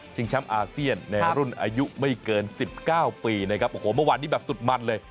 แชมป์อาเซียนในรุ่นอายุไม่เกินสิบเก้าปีนะครับโอ้โหเมื่อวานนี้แบบสุดมันเลย